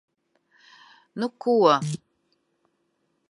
Nu ko...